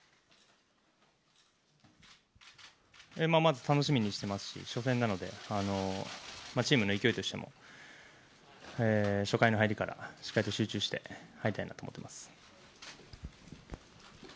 まず、楽しみにしてますし、初戦なので、チームの勢いとしても、初回の入りから、しっかりと集中して入りたいなと思ってます。